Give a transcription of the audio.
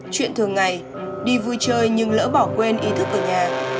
chuyện thường ngày đi vui chơi nhưng lỡ bỏ quên ý thức ở nhà